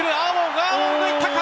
アーウォンがいったか？